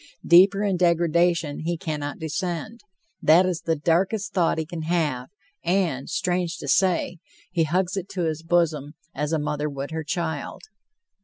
Deeper in degradation he cannot descend. That is the darkest thought he can have, and, strange to say, he hugs it to his bosom as a mother would her child.